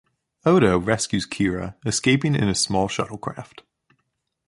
Odo rescues Kira, escaping in a small shuttlecraft.